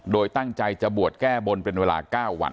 โดยตั้งใจจะบวชแก้บนเป็นเวลา๙วัน